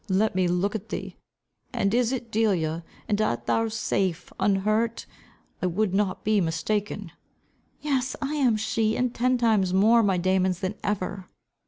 "Let me look at thee. And is it Delia? And art thou safe, unhurt? I would not be mistaken." "Yes, I am she, and ten times more my Damon's than ever."